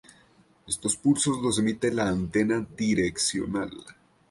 Estos pulsos los emite la antena direccional.